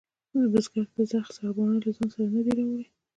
بزگر د زخ سرباڼه له ځانه سره نه ده راوړې.